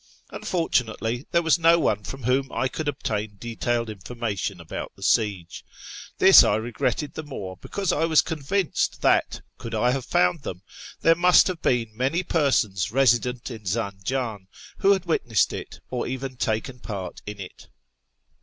Unfortunately there was no one from whom I could obtain detailed information about the siege. This I regretted the more because I was convinced that, could I have found them, there must have been many persons resident in Zanjan who had witnessed it, or even taken part in it.